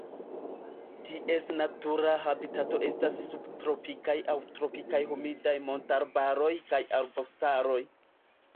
Ties natura habitato estas subtropikaj aŭ tropikaj humidaj montarbaroj kaj arbustaroj.